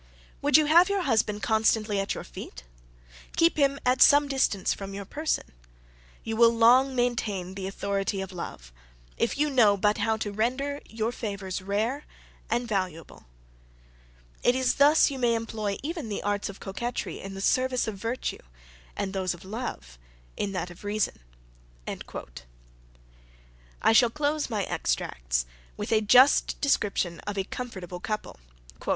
"Would you have your husband constantly at your feet? keep him at some distance from your person. You will long maintain the authority of love, if you know but how to render your favours rare and valuable. It is thus you may employ even the arts of coquetry in the service of virtue, and those of love in that of reason." I shall close my extracts with a just description of a comfortable couple.